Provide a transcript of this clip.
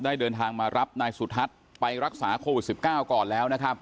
เดินทางมารับนายสุทัศน์ไปรักษาโควิด๑๙ก่อนแล้วนะครับ